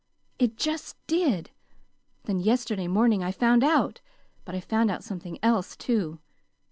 It just did! Then yesterday morning I found out. But I found out something else, too.